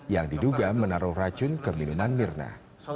yang diduga menaruh racun ke minuman mirna